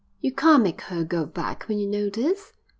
"You can't make her go back when you know this.